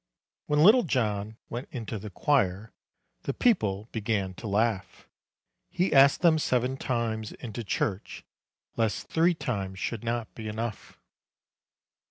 When Little John went into the quire, The people began to laugh; He asked them seven times into church, Lest three times should not be enough.